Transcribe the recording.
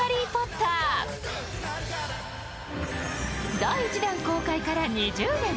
第１弾公開から２０年。